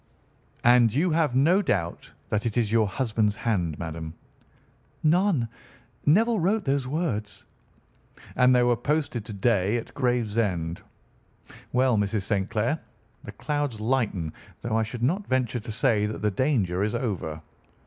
And you have no doubt that it is your husband's hand, madam?" "None. Neville wrote those words." "And they were posted to day at Gravesend. Well, Mrs. St. Clair, the clouds lighten, though I should not venture to say that the danger is over."